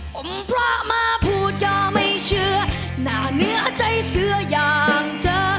ผมพระมาพูดก็ไม่เชื่อหน้าเนื้อใจเสื้ออย่างเธอ